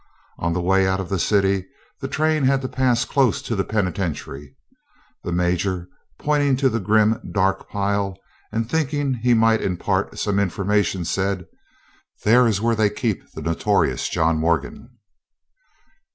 On the way out of the city the train had to pass close to the penitentiary. The major, pointing to the grim, dark pile, and thinking he might be imparting some information, said: "There is where they keep the notorious John Morgan."